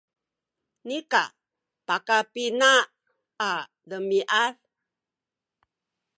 nika pakapina a demiad